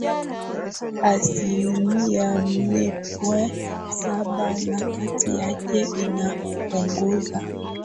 asilimia nne point Saba na kati yake inaongoza